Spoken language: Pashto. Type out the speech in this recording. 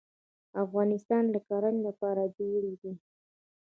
افغانستان د کرنې لپاره جوړ دی.